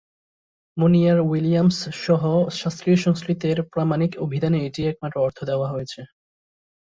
Monier-Williams সহ শাস্ত্রীয় সংস্কৃতের প্রামাণিক অভিধানে এটিই একমাত্র অর্থ দেওয়া হয়েছে।